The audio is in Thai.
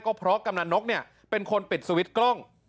ก็เพราะกำนันนกเนี่ยเป็นคนปิดสวิตช์กล้อง